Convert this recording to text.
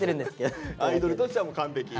アイドルとしてはもう完璧。